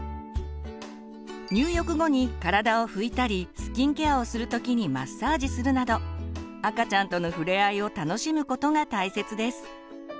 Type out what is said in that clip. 入浴後に体を拭いたりスキンケアをする時にマッサージするなど赤ちゃんとの触れ合いを楽しむことが大切です。